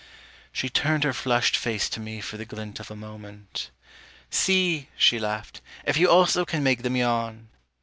She turned her flushed face to me for the glint Of a moment. "See," she laughed, "if you also Can make them yawn."